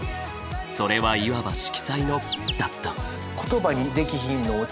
「それはいわば色彩のだった」。